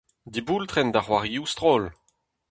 Diboultrenn da c'hoarioù stroll !